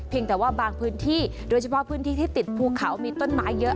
แต่ว่าบางพื้นที่โดยเฉพาะพื้นที่ที่ติดภูเขามีต้นไม้เยอะ